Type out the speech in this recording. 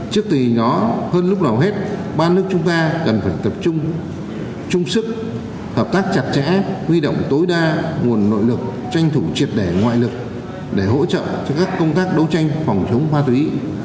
trước thì nó hơn lúc nào hết ba nước chúng ta cần phải tập trung sức hợp tác chặt chẽ huy động tối đa nguồn nội lực tranh thủ triệt đẻ ngoại lực để hỗ trợ cho các công tác đấu tranh phòng chống ma túy